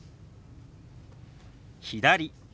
「左」。